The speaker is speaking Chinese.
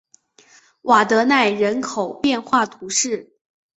瓦德奈人口变化图示